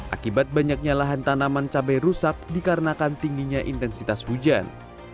akibat banyaknya lahan tanaman cabai rusak dikarenakan tingginya intensitas hujan